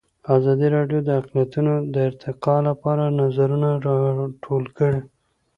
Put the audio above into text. ازادي راډیو د اقلیتونه د ارتقا لپاره نظرونه راټول کړي.